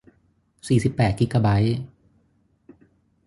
สี่สิบแปดกิกะไบต์